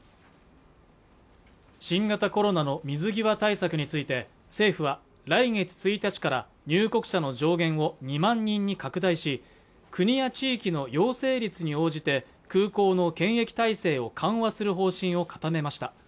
新型コロナの水際対策について政府は来月１日から入国者の上限を２万人に拡大し国や地域の陽性率に応じて空港の検疫体制を緩和する方針を固めました